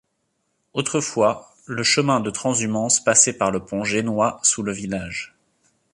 Autrefois le chemin de transhumance passait par le pont génois sous le village.